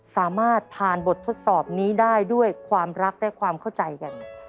สามารถผ่านบททดสอบนี้ได้ด้วยความรักและความเข้าใจกัน